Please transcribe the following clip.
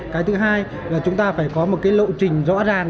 cái thứ hai là chúng ta phải có một cái lộ trình rõ ràng